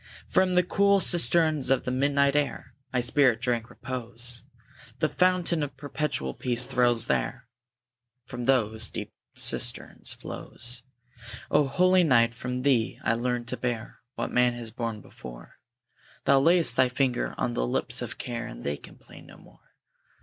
From the cool cisterns of the midnight air My spirit drank repose; The fountain of perpetual peace flows there, From those deep cisterns flows. O holy Night! from thee I learn to bear What man has borne before! Thou layest thy finger on the lips of Care, And they complain no more.